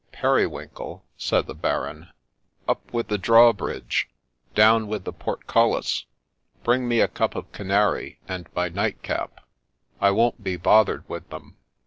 ' Periwinkle,' said the Baron, ' up with the drawbridge ; down with the portcullis ; bring me a cup of canary, and my nightcap. I won't be bothered with them.